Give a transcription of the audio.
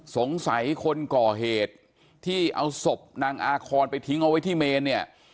สงสัยคนก่อเหตุที่เอาศพนางอาคอนไปทิ้งเอาไว้ที่เมนเนี่ย